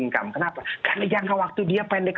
income kenapa karena jangka waktu dia pendek